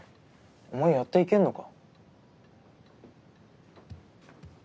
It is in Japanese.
お前やっていけんのか？